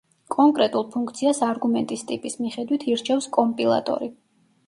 კონკრეტულ ფუნქციას არგუმენტის ტიპის მიხედვით ირჩევს კომპილატორი.